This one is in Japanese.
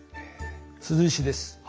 鈴石です。